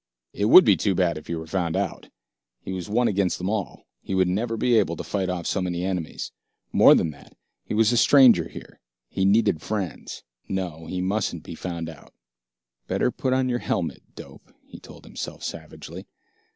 It would be too bad if he were found out. He was one against them all, he would never be able to fight off so many enemies. More than that, he was a stranger here, he needed friends. No, he mustn't be found out. "Better put on your helmet, dope," he told himself savagely.